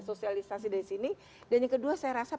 sosialisasi dari sini dan yang kedua saya rasa